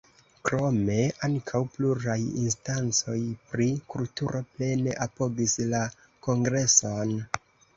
Krome, ankaŭ pluraj instancoj pri kulturo plene apogis la Kongreson.